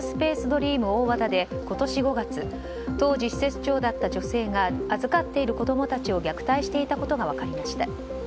ドリーム大和田で今年５月当時施設長だった女性が預かっている子供たちを虐待していたことが分かりました。